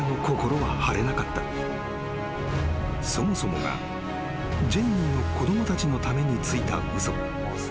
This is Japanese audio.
［そもそもがジェイミーの子供たちのためについた嘘］